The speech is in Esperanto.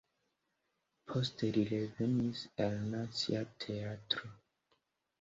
Poste li revenis al Nacia Teatro.